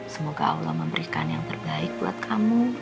semoga allah memberikan yang terbaik buat kamu